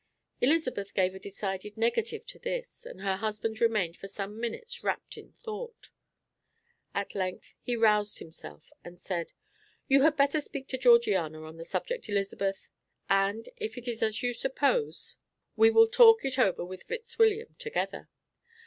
Elizabeth gave a decided negative to this, and her husband remained for some minutes wrapped in thought. At length he roused himself, and said: "You had better speak to Georgiana on the subject, Elizabeth, and if it is as you suppose, we will talk it over with Fitzwilliam together.